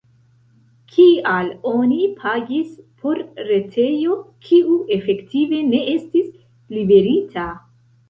Kial oni pagis por retejo, kiu efektive ne estis liverita?